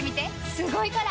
すごいから！